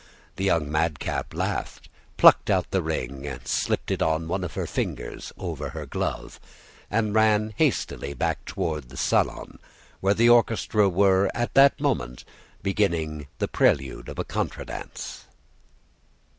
The young madcap laughed, plucked out the ring, slipped it on one of her fingers over her glove, and ran hastily back toward the salon, where the orchestra were, at that moment, beginning the prelude of a contra dance.